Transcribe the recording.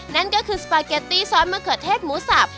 นั่นก็คือสปาเกตตี้ซอสมะเขือเทศหมูสับ